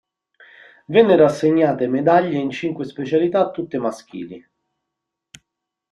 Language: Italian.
Vennero assegnate medaglie in cinque specialità tutte maschili.